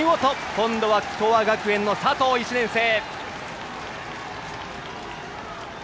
今度は東亜学園の佐藤、１年生。